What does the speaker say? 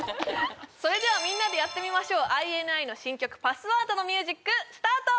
それではみんなでやってみましょうＩＮＩの新曲「Ｐａｓｓｗｏｒｄ」のミュージックスタート！